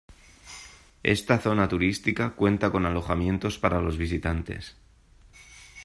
Esta zona turística cuenta con alojamientos para los visitantes.